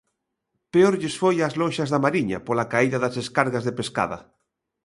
Peor lles foi ás lonxas da Mariña, pola caída das descargas de pescada.